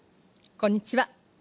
こんにちは。